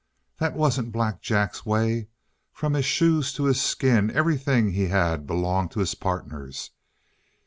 "That wasn't Black Jack's way. From his shoes to his skin everything he had belonged to his partners.